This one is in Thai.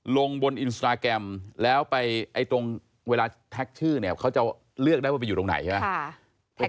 ลงบนอินสตราแกรมแล้วไปตรงเวลาแท็กชื่อเนี่ยเขาจะเลือกได้ว่าไปอยู่ตรงไหนใช่ไหม